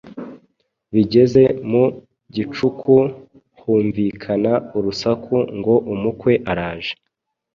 Bigeze mu gicuku humvikana urusaku ngo umukwe araje.